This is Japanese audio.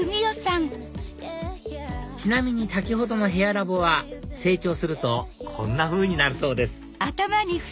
ちなみに先ほどのヘアラボは成長するとこんなふうになるそうです